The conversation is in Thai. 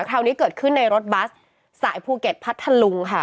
คราวนี้เกิดขึ้นในรถบัสสายภูเก็ตพัทธลุงค่ะ